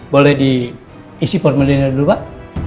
boleh diisi formulirnya dulu pak